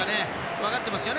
分かってますよね。